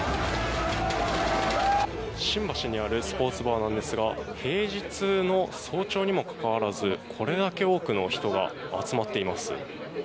新橋にあるスポーツバーなんですが平日の早朝にもかかわらずこれだけ多くの人が集まっています。